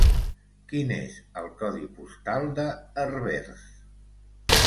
Quin és el codi postal de Herbers?